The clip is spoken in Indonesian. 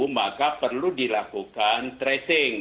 maka perlu dilakukan tracing